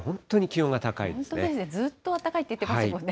本当ですね、ずっと暖かいって言ってますもんね。